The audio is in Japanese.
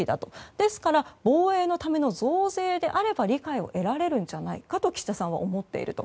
ですから防衛のための増税であれば理解を得られるのではないかと岸田さんは思っていると。